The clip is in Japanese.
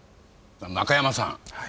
中山さん！